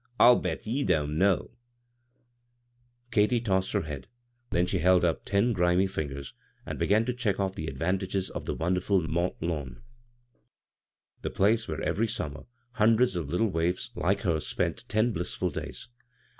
" I'll bet ye don't know I " Katy tossed her head ; then she held up ten grimy fingers and began to check ofi the advantages of the wonderful Mont Lawn, the place where every summer hundreds of litde wai& like her spent ten blissful days.